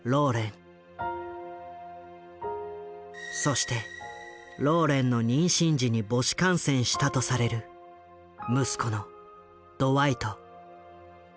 そしてローレンの妊娠時に母子感染したとされる息子のドワイト。